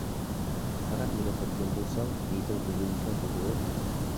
پەقەت مېنىڭ خوتۇنۇم بولساڭ، نىيىتىڭ بۇزۇلمىسىلا بولدىغۇ.